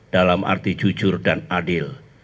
dalam arti jujur dan adil